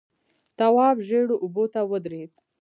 تواب ژېړو اوبو ته ودرېد.